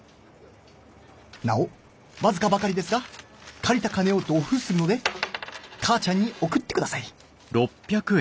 なおわずかばかりですが、借りた金を同ふうするので、母ちゃんに送ってください」。